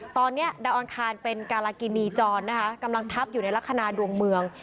ตอนนี้ดาวอังคารเป็นการากินีจรนะคะกำลังทับอยู่ในลักษณะดวงเมือง